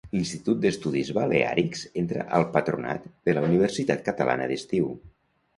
L'Institut d'Estudis Baleàrics entra al patronat de la Universitat Catalana d'Estiu.